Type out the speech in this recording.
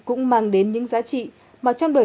cũng mang đến những giá trị mà trong đời